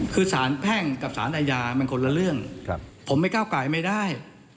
คือสารแพ่งกับสารอาญามันคนละเรื่องผมไม่ก้าวกายไม่ได้